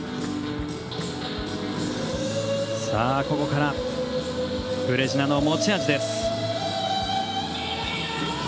ここからブレジナの持ち味です。